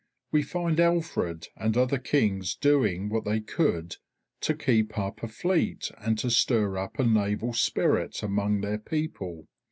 We find Alfred and other Kings doing what they could to keep up a fleet and to stir up a naval spirit among their people.